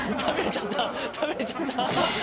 食べちゃった！